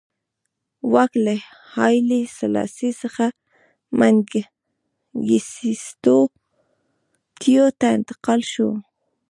واک له هایلي سلاسي څخه منګیسټیو ته انتقال شو.